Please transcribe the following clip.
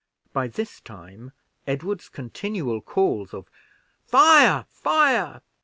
By this time Edward's continual calls of "Fire! fire!"